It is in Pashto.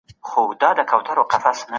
ځینې خلک خپل احساسات پټ ساتي.